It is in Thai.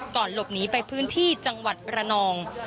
หลบหนีไปพื้นที่จังหวัดระนอง